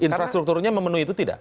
infrastrukturnya memenuhi itu tidak